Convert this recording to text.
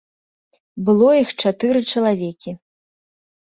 Было іх чатыры чалавекі.